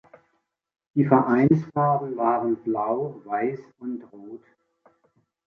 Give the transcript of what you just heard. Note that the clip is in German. Die Vereinsfarben waren blau, weiß und rot.